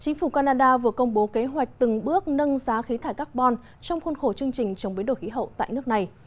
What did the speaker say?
chính phủ canada vừa công bố kế hoạch từng bước nâng giá khí thải carbon trong khuôn khổ chương trình chống biến đổi khí hậu tại nước này